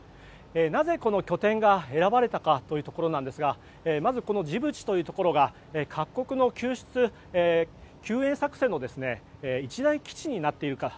なぜこの拠点が選ばれたかというところですがまず、このジブチというところが各国の救援作戦の一大基地になっているから。